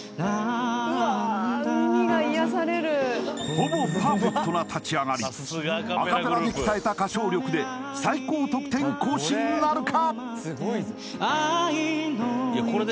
ほぼパーフェクトな立ち上がりアカペラで鍛えた歌唱力で最高得点更新なるか？